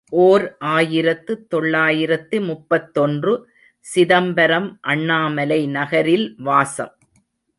ஓர் ஆயிரத்து தொள்ளாயிரத்து முப்பத்தொன்று ● சிதம்பரம் அண்ணாமலை நகரில் வாசம்.